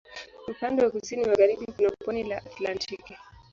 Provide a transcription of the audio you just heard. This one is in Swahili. Upande wa kusini magharibi kuna pwani la Atlantiki.